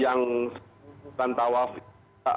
yang melakukan tawaf wadah